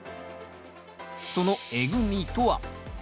そのえぐみとは？